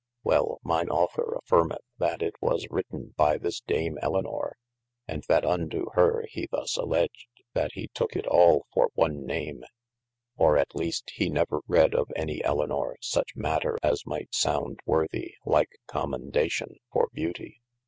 Well mine aufthor affirmeth that it was written by this Dame Elynor, and that unto hir he thus alledged, that he tooke it all for one name, or at least he never read of any Elynor suche matter as might sound worthy like commendation, for beautie.